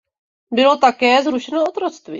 Bylo také zrušeno otroctví.